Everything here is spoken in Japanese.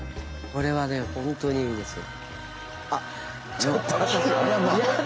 これは本当にいいですよ。